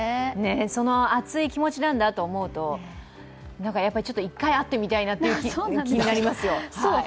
その熱い気持ちなんだと思うと、ちょっと１回会ってみたいなという気になりますよ。